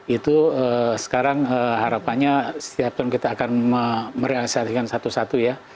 itu sekarang harapannya setiap tahun kita akan merealisasikan satu satu ya